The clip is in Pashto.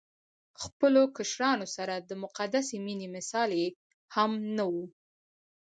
خپلو کشرانو سره د مقدسې مينې مثال يې هم نه وو